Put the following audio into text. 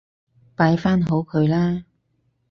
擺返好佢啦